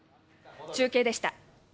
中継でした。